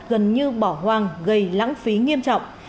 gần như bỏ hoang gây lãng phí nghiêm trọng